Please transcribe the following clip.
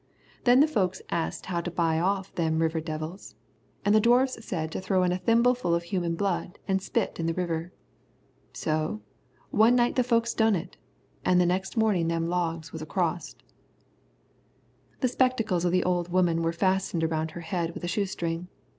Then the folks |asked how to buy off them river devils, an' the Dwarfs said to throw in a thimble full of human blood an' spit in the river. So, one night the folks done it, an' next morning them logs was acrost." The spectacles of the old woman were fastened around her head with a shoestring.